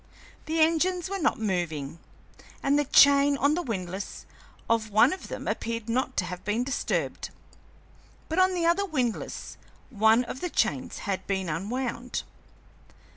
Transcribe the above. The engines were not moving, and the chain on the windlass of one of them appeared not to have been disturbed, but on the other windlass one of the chains had been unwound.